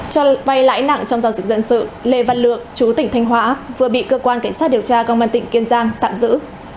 cho vay lãi nặng trong giao dịch dân sự lê văn lượng chú tỉnh thanh hóa vừa bị cơ quan cảnh sát điều tra công an tỉnh kiên giang tạm giữ